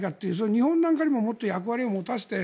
日本なんかにももっと役割を持たせて。